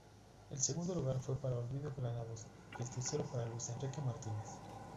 El segundo lugar fue para Ovidio Granados y el tercero para Luis Enrique Martínez.